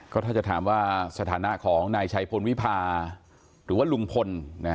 ก็ถ้าจะถามว่าสถานะของนายชัยพลวิพาหรือว่าลุงพล